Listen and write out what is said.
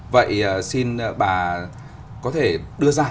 vậy xin bà có thể đưa ra